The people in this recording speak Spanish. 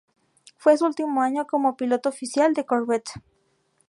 Fue su último año como piloto oficial de Corvette.